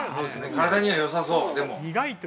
体にはよさそうでも。